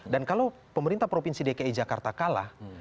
dan kalau pemerintah provinsi dki jakarta kalah